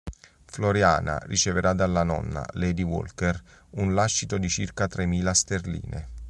Floriana riceverà dalla nonna, Lady Walker, un lascito di circa tremila sterline.